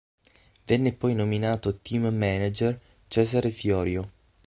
Venne poi nominato team manager Cesare Fiorio.